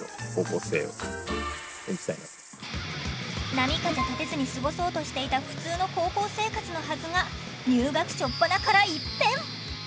波風立てずに過ごそうとしていた普通の高校生活のはずが入学しょっぱなから一変！